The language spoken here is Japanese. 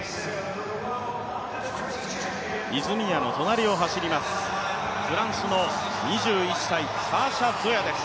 泉谷の隣を走ります、フランスの２１歳、サーシャ・ゾヤです。